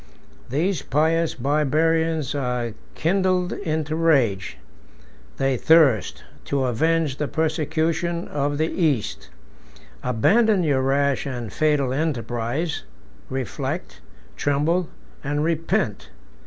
These pious Barbarians are kindled into rage: they thirst to avenge the persecution of the East. Abandon your rash and fatal enterprise; reflect, tremble, and repent.